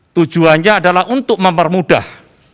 tujuannya adalah untuk mempermudah